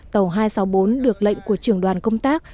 tàu hai trăm sáu mươi bốn được lệnh của trưởng đoàn công tác